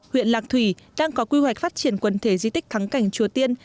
huyện lạc thủy đang có quy hoạch phát triển quần thể di tích thắng cảnh chùa tiên